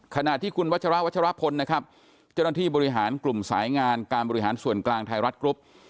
ขณะที่คุณวัชราวัชรพลนะครับเจ้าหน้าที่บริหารกลุ่มสายงานการบริหารส่วนกลางไทยรัฐกรุ๊ป